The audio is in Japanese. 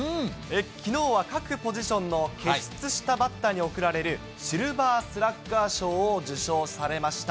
きのうは各ポジションの傑出したバッターに贈られる、シルバー・スラッガー賞を受賞されました。